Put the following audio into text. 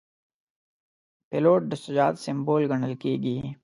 پیلوټ د شجاعت سمبول ګڼل کېږي.